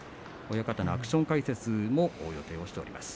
親方のアクション解説もお願いしています。